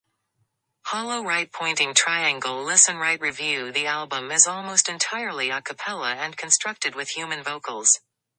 The album is almost entirely a cappella and constructed with human vocals.